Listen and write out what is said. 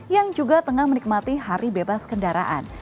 yang juga tengah menikmati hari bebas kendaraan